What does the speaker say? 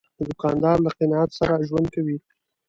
دوکاندار له قناعت سره ژوند کوي.